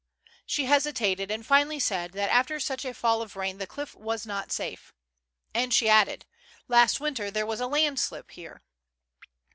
She hesitated, and finally said that after such a fall of rain the cliff was not safe. And she added :" Last winter there was a landslip here.